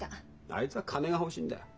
あいつは金が欲しいんだよ。